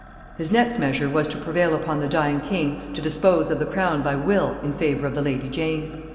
His next measure was to prevail upon the dying king to dispose of the crown by will in favor of the lady Jane.